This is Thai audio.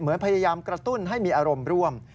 พยายามกระตุ้นให้มีอารมณ์ร่วม